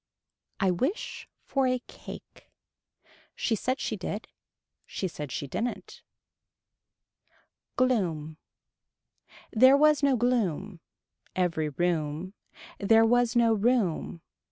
I wish for a cake. She said she did. She said she didn't. Gloom. There was no gloom. Every room. There was no room.